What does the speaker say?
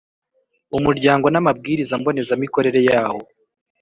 umuryango n amabwiriza mbonezamikorere yawo